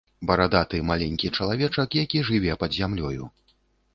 Барадаты, маленькі чалавечак, які жыве пад зямлёю.